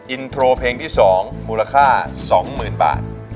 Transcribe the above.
อินโทรเพลงที่๒มูลค่า๒๐๐๐บาท